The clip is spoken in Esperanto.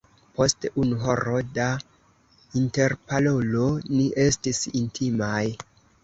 Post unu horo da interparolo, ni estis intimaj.